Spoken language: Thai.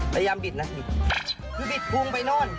พยายามบิดนะคือบิดพุงไปโน่น